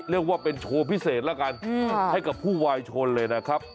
เรียกว่าเป็นโชว์พิเศษแล้วกันให้กับผู้วายชนเลยนะครับ